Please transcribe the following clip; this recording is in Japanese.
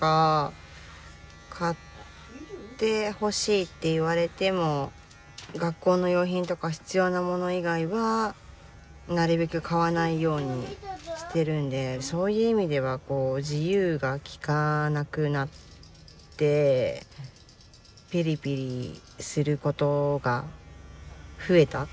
「買ってほしい」って言われても学校の用品とか必要なもの以外はなるべく買わないようにしてるんでそういう意味では自由がきかなくなってピリピリすることが増えた。